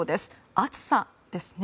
暑さですね。